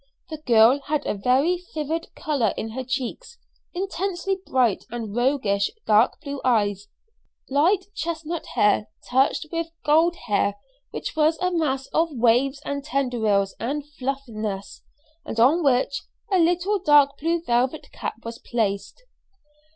The girl had a very vivid color in her cheeks, intensely bright and roguish dark blue eyes, light chestnut hair touched with gold hair which was a mass of waves and tendrils and fluffiness, and on which a little dark blue velvet cap was placed.